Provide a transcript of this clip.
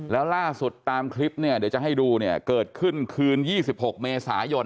แล้วล่าสุดตามคลิปเนี่ยเดี๋ยวจะให้ดูเนี่ยเกิดขึ้นคืน๒๖เมษายน